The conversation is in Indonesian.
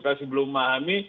kasih belum memahami